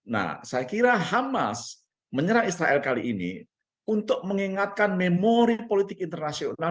nah saya kira hamas menyerang israel kali ini untuk mengingatkan memori politik internasional